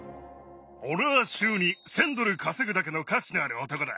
俺は週に１，０００ドル稼ぐだけの価値のある男だ。